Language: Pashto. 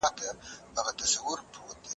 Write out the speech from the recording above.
د پدیدو تر شا علتونه ولټوئ.